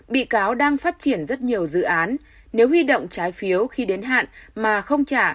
bị cáo đang phát triển rất nhiều dự án nếu huy động trái phiếu khi đến hạn mà không trả